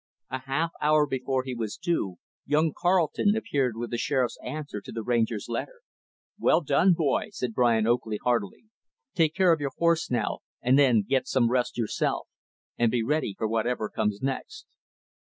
A half hour before he was due, young Carleton appeared with the Sheriff's answer to the Ranger's letter. "Well done, boy," said Brian Oakley, heartily. "Take care of your horse, now, and then get some rest yourself, and be ready for whatever comes next."